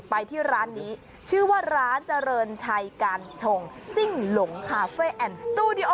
ไปที่ร้านนี้ชื่อว่าร้านเจริญชัยการชงซิ่งหลงคาเฟ่แอนด์สตูดิโอ